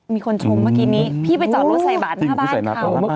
มีคนชมเมื่อกี้นี้พี่ไปจอดรถใส่บาทหน้าบ้านเขา